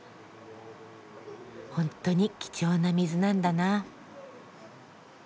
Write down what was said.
本当に貴重な水なんだな。